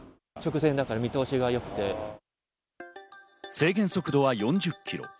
制限速度は４０キロ。